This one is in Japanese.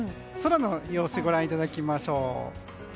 空の様子、ご覧いただきましょう。